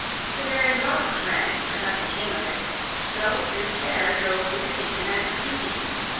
The very rocks rang, but nothing came of it, so despair drove me to think of an expedient.